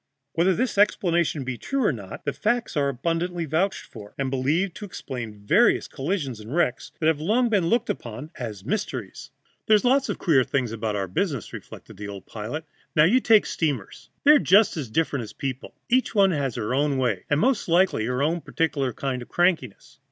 Whether this explanation be the true one or not, the facts are abundantly vouched for, and are believed to explain various collisions and wrecks that have long been looked upon as mysteries. "There are lots of queer things about our business," reflected an old pilot. "Now, you take steamers, they're just as different as people; each one has her own ways, and most likely her own partic'lar kind of crankiness.